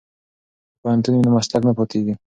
که پوهنتون وي نو مسلک نه پاتیږي.